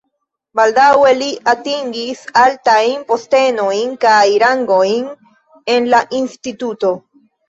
Baldaŭe li atingis altajn postenojn kaj rangojn en la instituto.